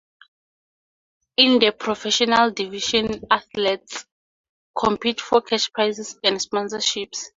In the professional division athletes compete for cash prizes and sponsorships.